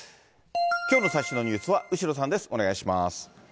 きょうの最新のニュースは後呂さんです、お願いします。